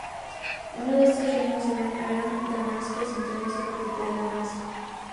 Uno de estos reinos era Aram-Damasco, centrada en su capital, Damasco.